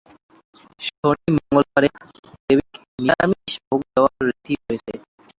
শনি-মঙ্গলবারে দেবীকে নিরামিষ ভোগ দেওয়ার রীতি রয়েছে।